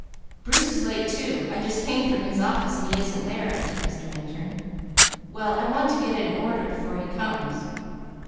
"Bruce is late too. I just came from his office and he isn't there," answered Mr. Minturn. "Well I want to get it in order before he comes."